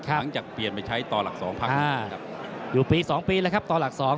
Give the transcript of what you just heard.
ครับตั้งจากเปลี่ยนไปใช้ต่อหลักสองพักครับอ่าอยู่ปีสองปีแล้วครับต่อหลักสอง